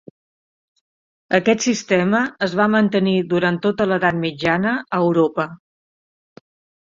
Aquest sistema es va mantenir durant tota l'Edat Mitjana a Europa.